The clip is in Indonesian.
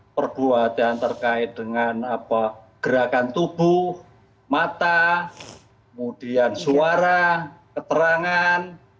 perbuatan terkait dengan gerakan tubuh mata kemudian suara keterangan